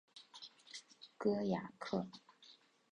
戈雅克。